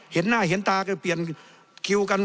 เห็นหน้าเห็นตาก็เปลี่ยนคิวกัน